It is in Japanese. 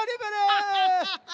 アハハハ！